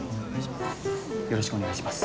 よろしくお願いします。